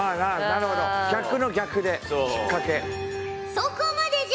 そこまでじゃ！